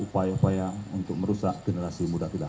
upaya upaya untuk merusak generasi muda kita